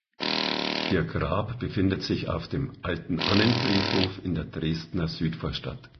Ihr Grab befindet sich auf dem Alten Annenfriedhof in der Dresdner Südvorstadt.